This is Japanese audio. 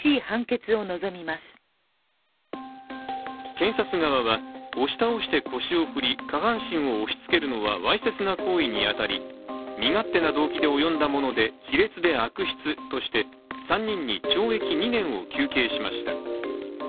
検察側は押し倒して腰を振り下半身を押しつけるのはわいせつな行為に当たり身勝手な動機で及んだもので卑劣で悪質として、３人に懲役２年を求刑しました。